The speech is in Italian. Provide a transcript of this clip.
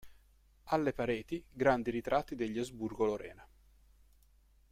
Alle pareti grandi ritratti degli Asburgo-Lorena.